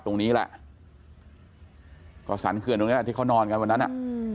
ตรงนี้แหละก็สรรเขื่อนตรงเนี้ยที่เขานอนกันวันนั้นอ่ะอืม